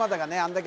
だけ